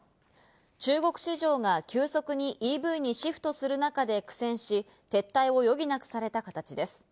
中国市場が急速にＥＶにシフトする中で苦戦し、撤退を余儀なくされた形です。